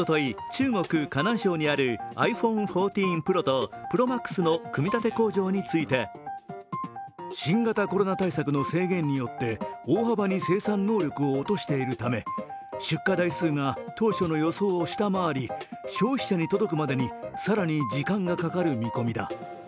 中国・河南省にあるｉＰｈｏｎｅ１４ＰｒｏとＰｒｏＭａｘの組み立て工場について新型コロナ対策の制限によって大幅に生産能力を落としているため出荷台数が当初の予想を下回り消費者に届くまでに更に時間がかかる見込みだ。